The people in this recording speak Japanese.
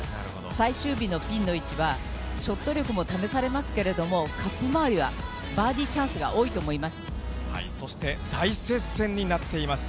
最終日のピンの位置は、ショット力も試されますけれども、カップ周りはバーディーチャンスがそして、大接戦になっています。